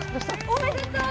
おめでとう！